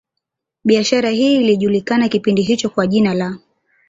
Biashara hii ilijulikana kipindi hicho kwa jina la